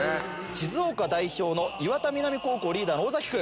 静岡代表の磐田南高校リーダーの尾崎君。